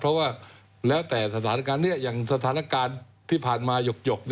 เพราะว่าแล้วแต่สถานการณ์นี้อย่างสถานการณ์ที่ผ่านมาหยก